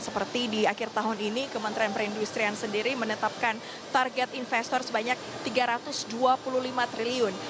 seperti di akhir tahun ini kementerian perindustrian sendiri menetapkan target investor sebanyak tiga ratus dua puluh lima triliun